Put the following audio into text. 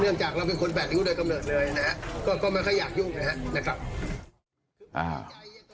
จากเราเป็นคนแปดนิ้วโดยกำเนิดเลยนะฮะก็ไม่ค่อยอยากยุ่งนะครับ